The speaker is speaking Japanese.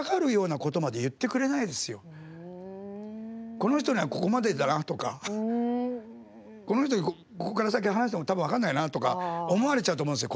この人にはここまでだなとかこの人にここから先、話しても多分、分かんないなとか思われちゃうと思うんですよ。